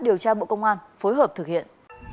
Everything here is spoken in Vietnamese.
điều tra bộ công an phối hợp thực hiện